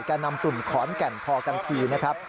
การนำตุ่นขอนแก่นพอกันทีนะครับ